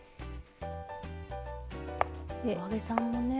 お揚げさんもね